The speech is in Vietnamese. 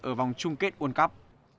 ở vòng chung kết world cup